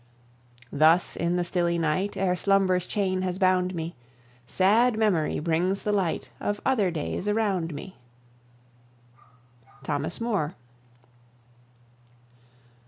Thus in the stilly night Ere slumber's chain has bound me, Sad Memory brings the light Of other days around me. THOMAS MOORE.